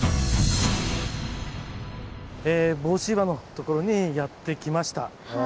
帽子岩の所にやって来ました。